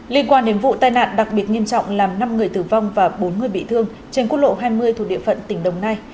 liên quan đến vụ tai nạn đặc biệt nghiêm trọng làm năm người tử vong và bốn người bị thương trên quốc lộ hai mươi thuộc địa phận tỉnh đồng nai